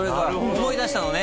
思い出したのね。